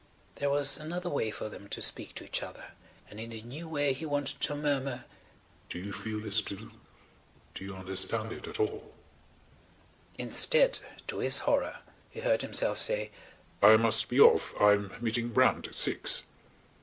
There was another way for them to speak to each other, and in the new way he wanted to murmur: "Do you feel this too? Do you understand it at all?" ... [Page 153] Instead, to his horror, he heard himself say: "I must be off; I'm meeting Brand at six."